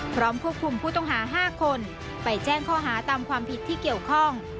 พร้อมควบคุมผู้ต้องหา๕คนไปแจ้งข้อหาตามความผิดที่เกี่ยวข้อง